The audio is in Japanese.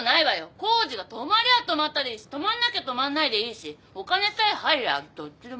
工事が止まりゃあ止まったでいいし止まんなきゃ止まんないでいいしお金さえ入りゃどっちでも。